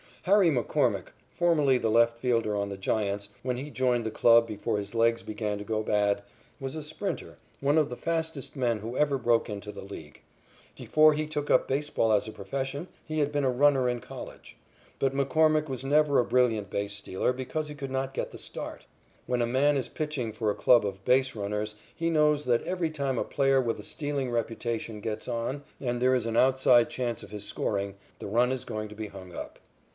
Harry McCormick, formerly the left fielder on the Giants, when he joined the club before his legs began to go bad, was a sprinter, one of the fastest men who ever broke into the League. Before he took up baseball as a profession, he had been a runner in college. But McCormick was never a brilliant base stealer because he could not get the start. When a man is pitching for a club of base runners he knows that every time a player with a stealing reputation gets on and there is an outside chance of his scoring, the run is going to be hung up.